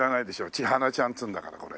ちはなちゃんっつうんだからこれ。